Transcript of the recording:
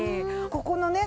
ここのね